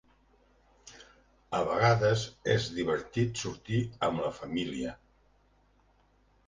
A vegades és divertit sortir amb la família.